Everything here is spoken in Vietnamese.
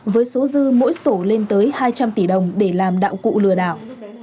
với số dư mỗi sổ lên tới hai trăm linh tỷ đồng để làm đạo cụ lừa đảo